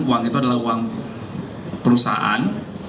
uang itu adalah uang perusahaan